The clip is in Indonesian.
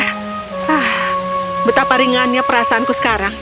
hah betapa ringannya perasaanku sekarang